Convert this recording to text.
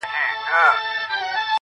نه شاهین د تورو غرو نه تور بلبل سوې-